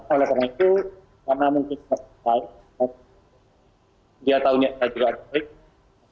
oleh karena itu karena mungkin saya dia tahunya saya juga ada klik